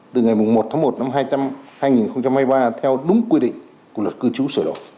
một tháng một năm hai nghìn hai mươi ba theo đúng quy định của luật cư trú sửa đổi